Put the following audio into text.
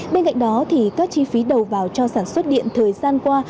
bên cạnh đó thì các chi phí đầu vào cho sản xuất điện thời gian qua